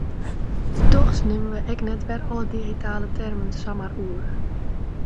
Dochs nimme we ek wer net alle digitale termen samar oer.